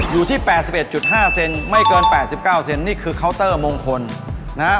อยู่ที่แปดสิบเอ็ดจุดห้าเซนไม่เกินแปดสิบเก้าเซนนี่คือคาวเตอร์มงคลนะฮะ